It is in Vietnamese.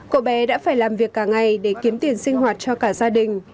cậu bé đã phải làm việc cả ngày để kiếm tiền sinh hoạt cho cả gia đình